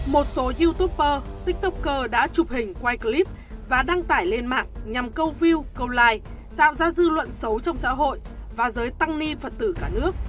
một số youtuber tiktoker đã chụp hình quay clip và đăng tải lên mạng nhằm câu view câu like tạo ra dư luận xấu trong xã hội và giới tăng ni phật tử cả nước